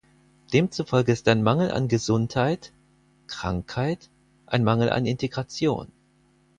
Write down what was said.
Demzufolge ist ein Mangel an Gesundheit (Krankheit) ein Mangel an Integration.